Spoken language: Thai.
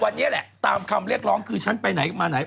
วันนี้แหละตามคำเรียกร้องคือฉันไปไหนมาไหน